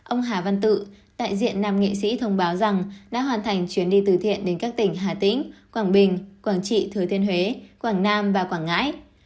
ông hà văn tự đại diện nam nghệ sĩ thông báo rằng đã hoàn thành chuyến đi từ thiện đến các tỉnh hà tĩnh quảng bình quảng trị thừa thiên huế quảng nam và quảng ngãi